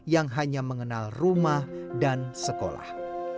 yang hanya mengenal rumah dan sekolah